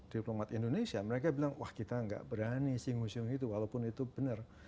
diplomat indonesia mereka bilang wah kita nggak berani singgung singgung itu walaupun itu benar